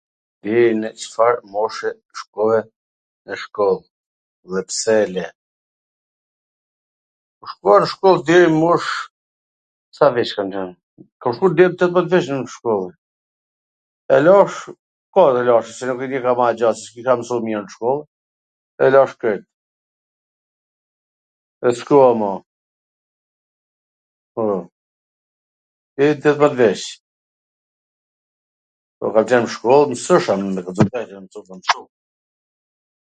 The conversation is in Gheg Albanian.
Deri nw Cfar moshe shkove nw shkoll dhe pse e le? Shkova nw shkoll deri n mosh, sa vjeC kam qwn, kam shku deri tetmet vjeC n shkoll, po, e lash, kot e lash, se nuk... kisha msus tw mir nw shkoll, e lash krejt e s' shkova ma, po, deri tetmet vjeC, po, kam qwn n shkoll, mwsosha me thwn t drejtwn...